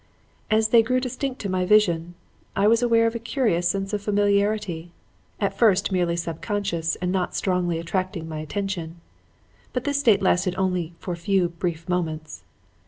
As they grew distinct to my vision, I was aware of a curious sense of familiarity; at first merely subconscious and not strongly attracting my attention. But this state lasted only for a few brief moments.